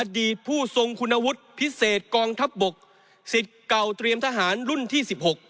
ผู้ทรงคุณวุฒิพิเศษกองทัพบกสิทธิ์เก่าเตรียมทหารรุ่นที่๑๖